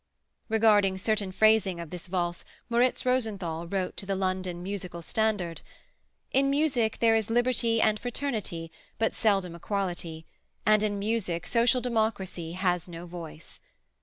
Regarding certain phrasing of this valse Moriz Rosenthal wrote to the London "Musical Standard": In Music there is Liberty and Fraternity, but seldom Equality, and in music Social Democracy has no voice.